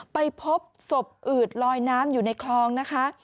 ไปพบศพอืดลอยน้ำอยู่ในคลองนะคะ